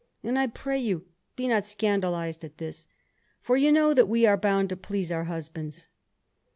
And, I pray you, be not scandalised at this, for you know that we are bound to please our husbands."